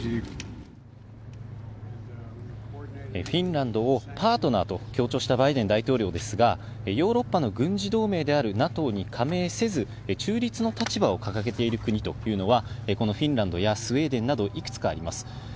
フィンランドをパートナーと強調したバイデン大統領ですが、ヨーロッパの軍事同盟であるＮＡＴＯに加盟せず、中立の立場を掲げている国というのは、このフィンランドやスウェーデンなど、いくつかあります。